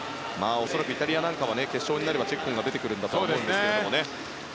恐らくイタリアなんかは決勝になればチェッコンが出てくると思いますが。